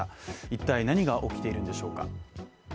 一体、何が起きているんでしょうか。